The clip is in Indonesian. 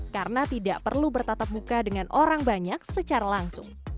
karena tidak perlu bertatap muka dengan orang banyak secara langsung